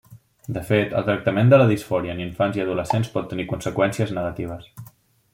De fet, el tractament de la disfòria en infants i adolescents pot tenir conseqüències negatives.